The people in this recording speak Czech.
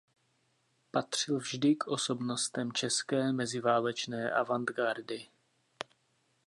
Patřil vždy k osobnostem české meziválečné avantgardy.